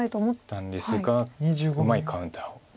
思ったんですがうまいカウンターを。